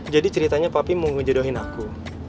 jadi ceritanya pak be mau ngejedohin aku